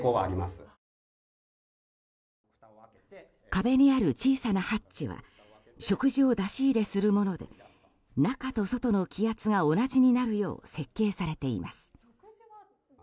壁にある小さなハッチは食事を出し入れするもので中と外の気圧が同じになるよう設計されています。